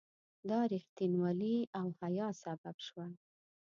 دا رښتینولي او حیا سبب شوه.